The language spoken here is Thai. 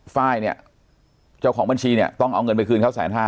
ไฟล์เนี่ยเจ้าของบัญชีเนี่ยต้องเอาเงินไปคืนเขา๑๕๐๐